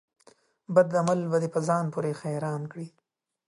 بد عمل به دي په ځان پوري حيران کړي